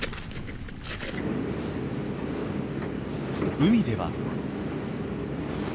海では。